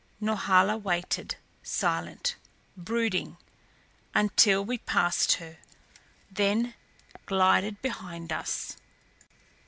Norhala waited, silent, brooding until we passed her; then glided behind us.